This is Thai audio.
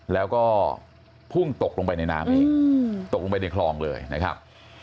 แล้วก็พุ่งตกลงไปในน้ำเองตกลงไปในคลองเลยนะครับ